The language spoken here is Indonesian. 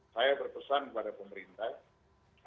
saya berpesan kepada pemerintah